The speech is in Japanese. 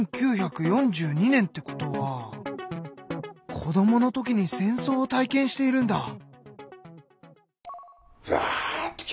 １９４２年ってことは子どもの時に戦争を体験しているんだ！